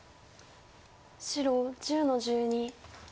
白１０の十二。